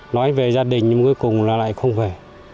nói về gia đình nhưng cuối cùng là lại không về